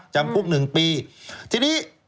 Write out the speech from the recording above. จำพุทธ๑ปีทีนี้